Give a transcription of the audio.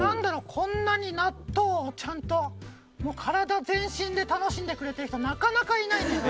こんなに納豆をちゃんと体全身で楽しんでくれてる人なかなかいないネバ。